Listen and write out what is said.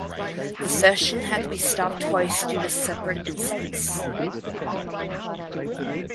The session had to be stopped twice due to separate incidents.